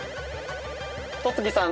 戸次さん